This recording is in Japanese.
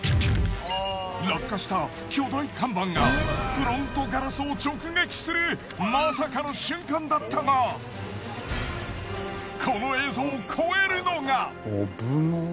落下した巨大看板がフロントガラスを直撃するまさかの瞬間だったがこの映像を超えるのが。